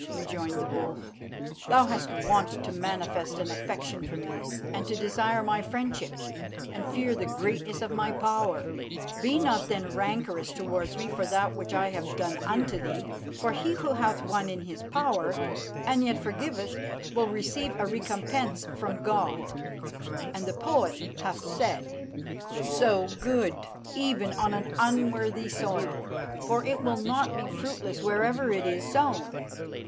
rejoined the wolf, "thou wast wont to manifest an affection for me, and to desire my friendship, and fear the greatness of my power. Be not, then, rancorous towards me for that which I have done unto thee; for he who hath one in his power, and yet forgiveth, will receive a recompense from God, and the poet hath said "'Sow good, even on an unworthy soil; for it will not be fruitless wherever it is sown.